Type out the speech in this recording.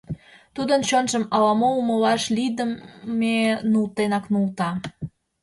Тудын чонжым ала-мо умылаш лийдыме нултенак нулта.